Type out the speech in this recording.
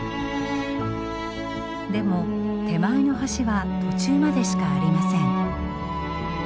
でも手前の橋は途中までしかありません。